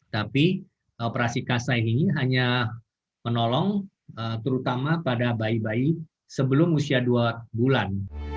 tapi operasi kasai ini hanya menolong terutama pada bayi bayi sebelum usia dua bulan